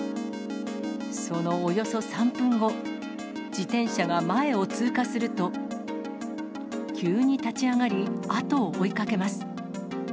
そのおよそ３分後、自転車が前を通過すると、急に立ち上がり、後を追いかけます。